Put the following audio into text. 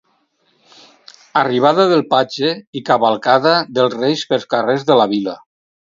Arribada del patge i cavalcada de reis pels carrers de la vila.